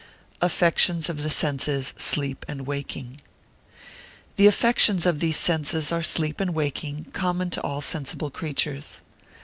Affections of the Senses, sleep and waking.] The affections of these senses are sleep and waking, common to all sensible creatures.